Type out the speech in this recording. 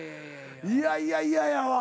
いやいやいやいや。